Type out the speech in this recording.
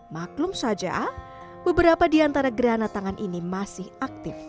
maklum saja beberapa di antara gerhana tangan ini masih aktif